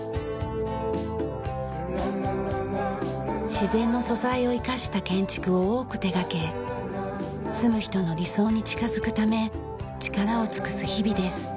自然の素材を生かした建築を多く手掛け住む人の理想に近づくため力を尽くす日々です。